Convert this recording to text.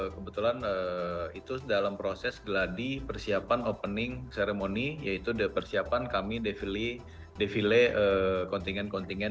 kebetulan itu dalam proses geladi persiapan opening ceremony yaitu persiapan kami defile kontingen kontingen